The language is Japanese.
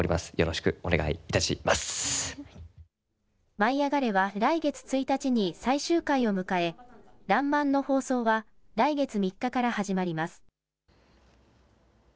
舞いあがれ！は来月１日に最終回を迎えらんまんの放送は来月３日から始まります。